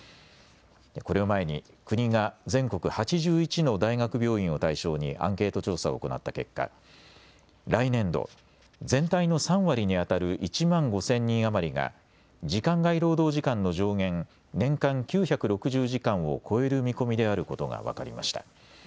これを前に国が全国８１の大学病院を対象にアンケート調査を行った結果、来年度、全体の３割にあたる１万５０００人余りが時間外労働時間の上限、年間９６０時間を超える見込みであることが分かりました。